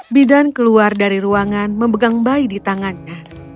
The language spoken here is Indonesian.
bidan keluar dari ruangan memegang bayi di tangannya